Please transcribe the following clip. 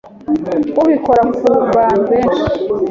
ubikora ku bantu benshi,